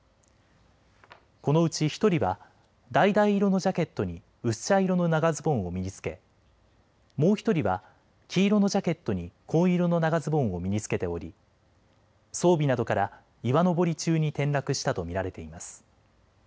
このうち１人はだいだい色のジャケットに薄茶色の長ズボンを身につけもう１人は黄色のジャケットに紺色の長ズボンを身につけており装備などから岩登り中に転落したと見られています。